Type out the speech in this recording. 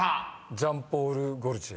「ジャンポール・ゴルチエ」